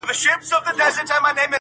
چي کار ژر پای ته ورسوي